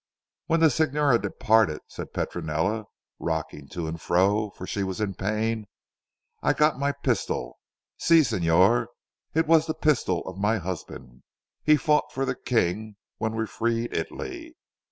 "When the Signora departed," said Petronella, rocking to and fro, for she was in pain, "I got my pistol. Si, Signor, it was the pistol of my husband. He fought for the King when we freed Italy.